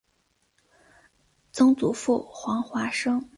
曾祖父黄华生。